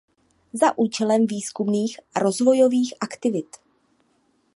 Za účelem výzkumných a rozvojových aktivit.